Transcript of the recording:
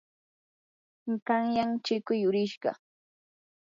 qanyan chikuu yurishqa.